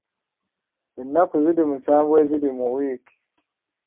Ennaku ziri musanvu eziri mu wiiki.